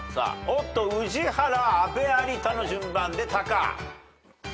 宇治原阿部有田の順番でタカ。